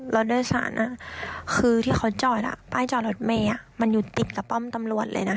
รถโดยสารคือที่เขาจอดป้ายจอดรถเมย์มันอยู่ติดกับป้อมตำรวจเลยนะ